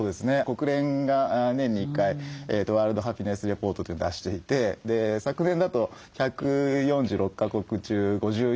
国連が年に１回ワールドハピネスレポートというのを出していて昨年だと１４６か国中５４位。